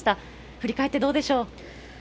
振り返ってどうですか？